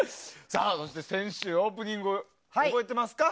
そして先週、オープニング覚えていますか。